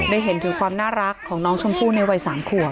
ได้เห็นถึงความน่ารักของน้องชมพู่ในวัย๓ขวบ